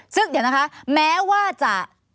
ซึ่งเดี๋ยวนะคะแม้ว่าจะ